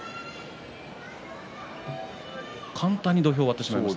簡単に土俵を割ってしまいました。